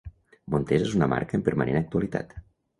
Montesa és una marca en permanent actualitat.